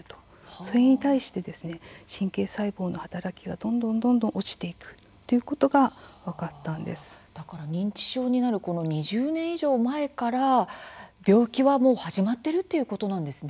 それに対して神経細胞の働きがどんどん落ちていくということが認知症になる２０年以上前から病気はもう始まっているということなんですね。